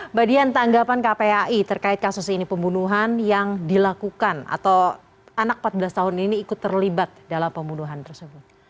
mbak dian tanggapan kpai terkait kasus ini pembunuhan yang dilakukan atau anak empat belas tahun ini ikut terlibat dalam pembunuhan tersebut